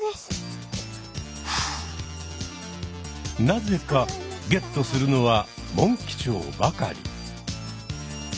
なぜかゲットするのはモンキチョウばかり。